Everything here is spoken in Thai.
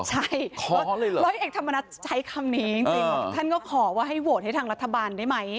ใช่ร้อยเอกธรรมนัฐใช้คำนี้จริงท่านก็ขอว่าให้โหวตให้ทางรัฐบาลได้ไหม